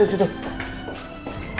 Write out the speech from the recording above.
ya ampun bu